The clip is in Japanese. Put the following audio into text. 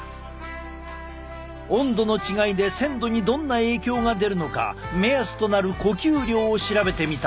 温度の違いで鮮度にどんな影響が出るのか目安となる呼吸量を調べてみた。